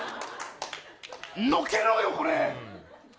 のけろよ、これ。